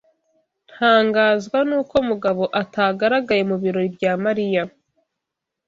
Ntangazwa nuko Mugabo atagaragaye mubirori bya Mariya.